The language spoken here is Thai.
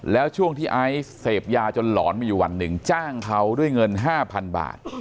แล้วช่วงที่ไอซ์เสพยาจนหลอนมีอยู่วันหนึ่งจ้างเขาด้วยเงิน๕๐๐๐บาท